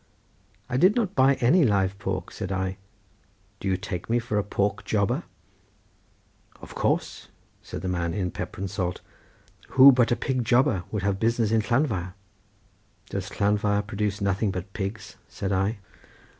"I did not buy any live pork," said I; "do you take me for a pig jobber?" "Of course," said the man in pepper and salt; "who but a pig jobber could have business at Llanfair?" "Does Llanfair produce nothing but pigs?" said I.